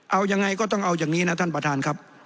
เอายังไงก็ต้องเอายังนี้นะสุภาครับ